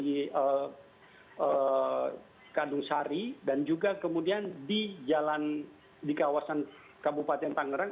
kabupaten kadungsari dan juga kemudian di kawasan kabupaten tangerang